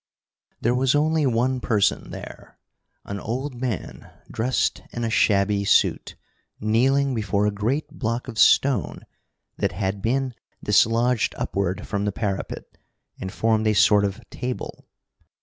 There was only one person there an old man dressed in a shabby suit, kneeling before a great block of stone that had been dislodged upward from the parapet and formed a sort of table.